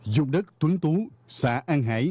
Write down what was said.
dục đất tuấn tú xã an hải